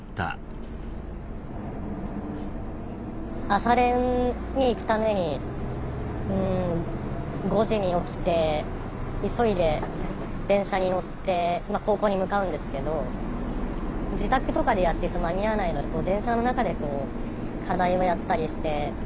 朝練に行くために５時に起きて急いで電車に乗ってまあ高校に向かうんですけど自宅とかでやってると間に合わないので電車の中で課題をやったりして。